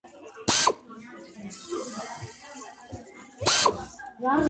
ქურთული ენა, როგორც აღინიშნა, ირანულ ენათა ჯგუფს მიეკუთვნება.